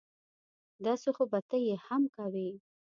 داسې خو به ته یې هم کوې